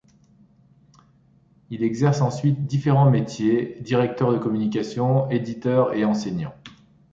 Il exerce ensuite différents métiers, directeur de communication, éditeur et enseignant.